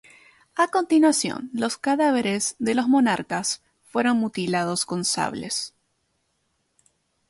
A continuación, los cadáveres de los monarcas fueron mutilados con sables.